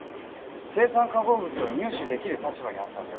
青酸化合物を入手できる立場にあったのでは？